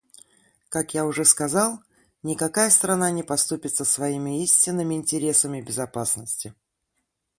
Как я уже сказал, никакая страна не поступится своими истинными интересами безопасности.